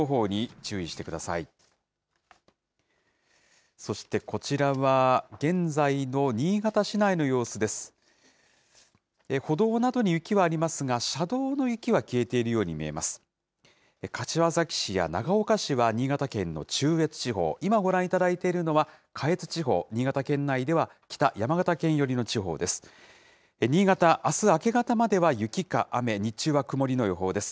柏崎市や長岡市は新潟県の中越地方、今ご覧いただいているのは下越地方、新潟県内では北、山形県寄りの地方です。